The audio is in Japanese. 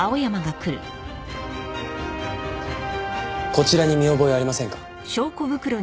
こちらに見覚えありませんか？